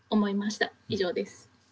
以上です。